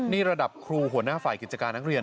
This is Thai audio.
นี่ระดับครูหัวหน้าฝ่ายกิจการนักเรียน